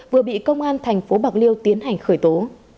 vừa bị công an thành phố bạc liêu tiến hành khởi tố